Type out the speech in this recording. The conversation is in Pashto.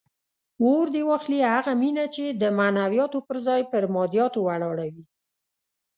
اور دې واخلي هغه مینه چې د معنویاتو پر ځای پر مادیاتو ولاړه وي.